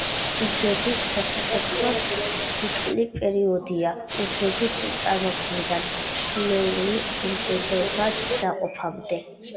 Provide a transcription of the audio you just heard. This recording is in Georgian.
უჯრედის სასიცოცხლო ციკლი პერიოდია უჯრედის წარმოქმნიდან, შვილეულ უჯრედებად დაყოფამდე.